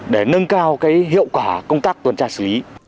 để nâng cao hiệu quả công tác tuần tra xử lý